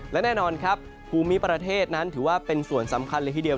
และแน่นอนครับภูมิประเทศนั้นถือว่าเป็นส่วนสำคัญเลยทีเดียว